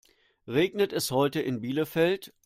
Regnet es heute in Bielefeld?